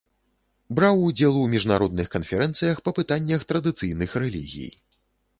Браў удзел у міжнародных канферэнцыях па пытаннях традыцыйных рэлігій.